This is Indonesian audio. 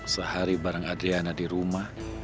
sehari bareng adriana di rumah